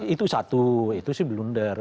itu satu itu sih blunder